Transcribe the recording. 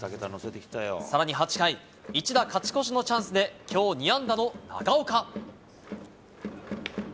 さらに８回、一打勝ち越しのチャンスで、きょう２安打の長岡。